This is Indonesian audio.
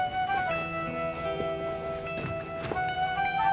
nanti kita ke sana